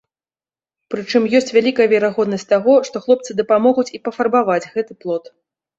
Прычым ёсць вялікая верагоднасць таго, што хлопцы дапамогуць і пафарбаваць гэты плот.